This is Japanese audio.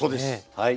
はい。